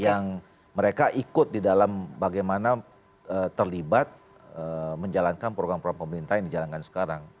yang mereka ikut di dalam bagaimana terlibat menjalankan program program pemerintah yang dijalankan sekarang